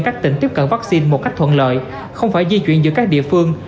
các tỉnh tiếp cận vaccine một cách thuận lợi không phải di chuyển giữa các địa phương